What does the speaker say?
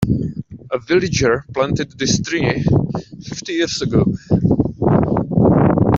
A villager planted this tree fifty years ago.